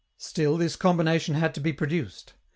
Still, this combination had to be produced.